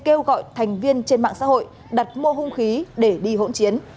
cơ quan công an đã kêu gọi thành viên trên mạng xã hội đặt mô hung khí để đi hỗn chiến